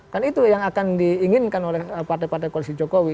kan itu yang akan diinginkan oleh partai partai koalisi jokowi